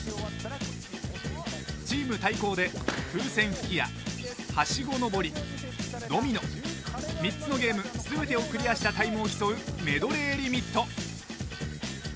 チーム対抗で、風船吹きやはしご上り、ドミノ３つのゲーム全てをクリアしたタイムを競うメドレーリミット。